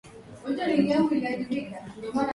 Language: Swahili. Kuagiza kufyekeza